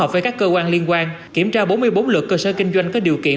với các cơ quan liên quan kiểm tra bốn mươi bốn lượt cơ sở kinh doanh có điều kiện